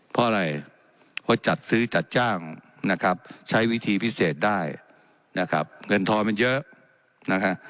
เพราะอะไรว่าจัดซื้อจัดจ้างนะครับใช้วิธีพิเศษได้นะครับเงินทอนมันเยอะนะฮะ